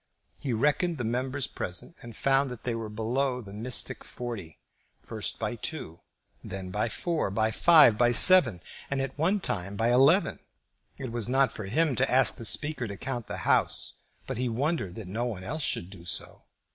He reckoned the members present and found that they were below the mystic forty, first by two, then by four, by five, by seven, and at one time by eleven. It was not for him to ask the Speaker to count the House, but he wondered that no one else should do so.